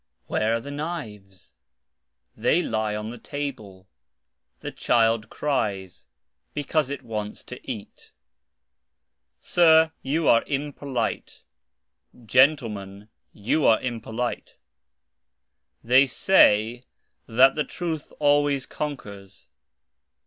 Where are the knives ? They are (lie) on the table. The child cries, because it wants to eat. Sir, you are impolite. Gentlemen, you are impolite. Tkey say that (the) truth always conquers.